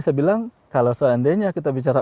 saya bilang kalau seandainya kita bicara